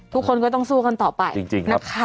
ทุกคนก็ต้องสู้กันต่อไป